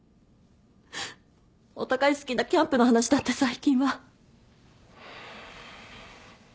お互い好きなキャンプの話だって最近は。